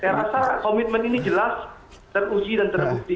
saya rasa komitmen ini jelas teruji dan terbukti